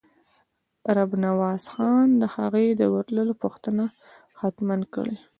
رب نواز خان د هغه د ورتلو پوښتنه حتماً کړې.